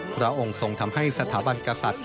พระองค์ทรงทำให้สถาบันกษัตริย